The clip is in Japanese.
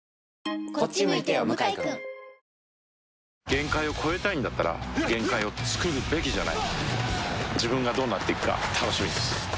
限界を越えたいんだったら限界をつくるべきじゃない自分がどうなっていくか楽しみです